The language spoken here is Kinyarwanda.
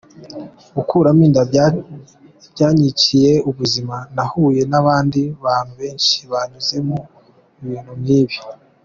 Gukuramo inda byanyiciye ubuzima, nahuye n’abandi bantu benshi banyuze mu bintu nk’ibi.